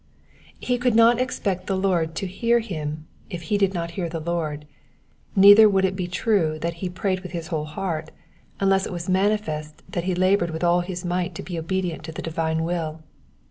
'*^ He could not cxpest the Lord to hear him if he did not hear the Lord, neither would it be true that he prayed with his whole heart unless it was naanifest that he laboured with all his might to be obedient to the divine will.